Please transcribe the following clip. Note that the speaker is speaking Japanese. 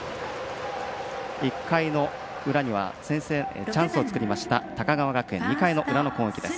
１回の裏には、チャンスを作った高川学園、２回の裏の攻撃です。